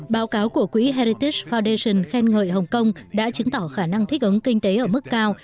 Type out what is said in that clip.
báo cáo của quỹ heritis foundation khen ngợi hồng kông đã chứng tỏ khả năng thích ứng kinh tế ở mức cao